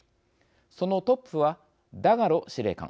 そのトップはダガロ司令官。